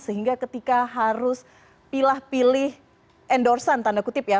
sehingga ketika harus pilah pilih endorsean tanda kutip ya